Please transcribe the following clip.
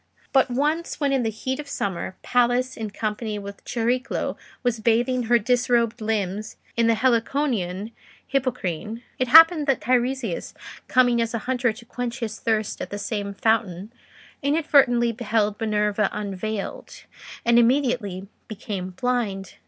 But once when in the heat of summer, Pallas, in company with Chariclo, was bathing her disrobed limbs in the Heliconian Hippocrene, it happened that Teiresias coming as a hunter to quench his thirst at the same fountain, inadvertently beheld Minerva unveiled, and immediately became blind.